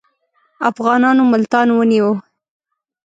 افغانانو ملتان ونیوی.